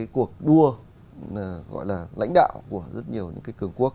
cuộc đua gọi là lãnh đạo của rất nhiều cường quốc